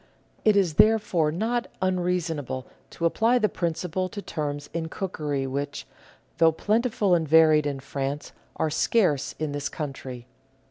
It is therefore not unreason able to apply the principle to terms in cookery which, though plentiful and varied in France, are scarce in this country.